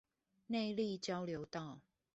內壢交流道